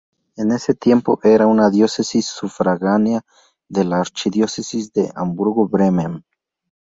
En ese tiempo era una diócesis sufragánea de la archidiócesis de Hamburgo-Bremen.